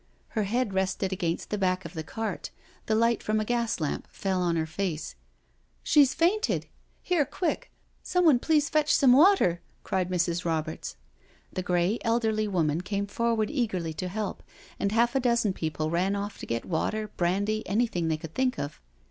Her head rested against the back of the cart, the light from a gas lamp fell on her face. "She has fainted 1 Here, quick, some one please fetch some water,'* cried Mrs. Roberts. The grey, elderly woman came forward eagerly to help, and half a dozen people ran off to get water, brandy, anything they could think of.